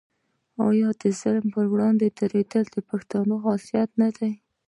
آیا د ظالم پر وړاندې دریدل د پښتون خصلت نه دی؟